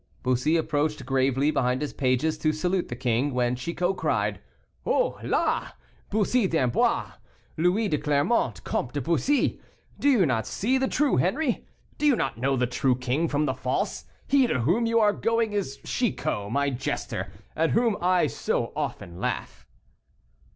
Bussy approached gravely behind his pages to salute the king, when Chicot cried: "Oh, la! Bussy d'Amboise, Louis de Clermont, Comte de Bussy, do you not see the true Henri, do you not know the true king from the false? He to whom you are going is Chicot, my jester, at whom I so often laugh."